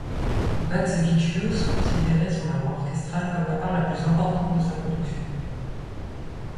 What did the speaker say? Bacevičius considérait son œuvre orchestrale comme la part la plus importante de sa production.